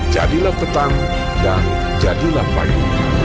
jadilah petang dan jadilah pagi